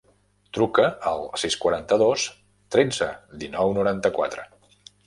Truca al sis, quaranta-dos, tretze, dinou, noranta-quatre.